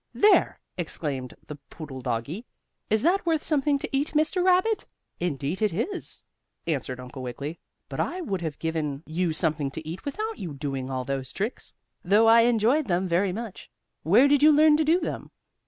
"There!" exclaimed the poodle doggie. "Is that worth something to eat, Mr. Rabbit?" "Indeed it is," answered Uncle Wiggily, "but I would have given you something to eat without you doing all those tricks, though I enjoyed them very much. Where did you learn to do them?"